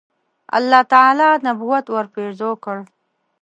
الله تعالی نبوت ورپېرزو کړ.